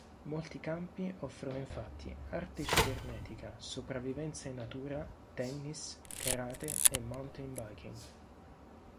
Molti campi offrono infatti arte cibernetica, sopravvivenza in natura, tennis, karate e mountain biking.